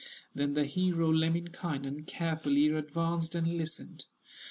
Then the hero, Lemminkainen, Carefully advanced and listened.